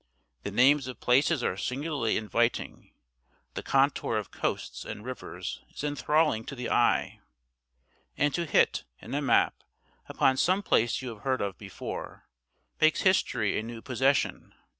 The names of places are singularly inviting; the contour of coasts and rivers is enthralling to the eye; and to hit, in a map, upon some place you have heard of before, makes history a new possession.